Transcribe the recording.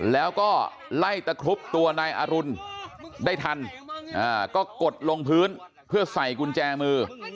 แล้วก็ไล่ตะครุบตัวนายอรุณได้ทันก็กดลงพื้นเพื่อใส่กุญแจมือ